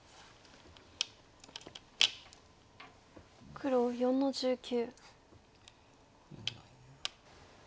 黒４の十九。